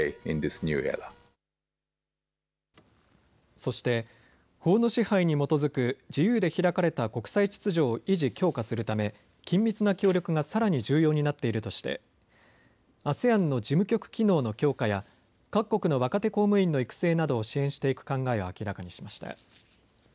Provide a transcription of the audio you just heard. そして法の支配に基づく自由で開かれた国際秩序を維持・強化するため緊密な協力がさらに重要になっているとしてＡＳＥＡＮの事務局機能の強化や各国の若手公務員の育成などを支援していく考えを明らかにしました。